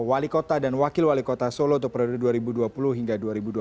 wali kota dan wakil wali kota solo untuk periode dua ribu dua puluh hingga dua ribu dua puluh